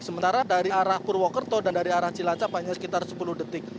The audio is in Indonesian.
sementara dari arah purwokerto dan dari arah cilacap hanya sekitar sepuluh detik